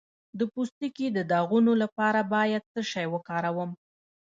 د پوستکي د داغونو لپاره باید څه شی وکاروم؟